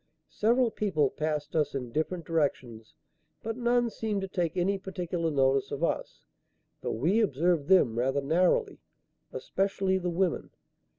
Several people passed us in different directions, but none seemed to take any particular notice of us, though we observed them rather narrowly, especially the women.